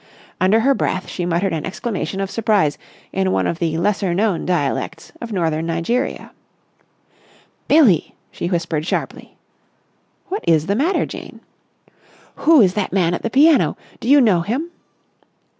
Under her breath she muttered an exclamation of surprise in one of the lesser known dialects of Northern Nigeria. "Billie!" she whispered sharply. "What is the matter, Jane?" "Who is that man at the piano? Do you know him?"